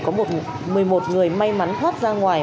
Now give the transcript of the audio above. có một mươi một người may mắn thoát ra ngoài